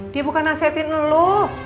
dia bukan nasihatin lo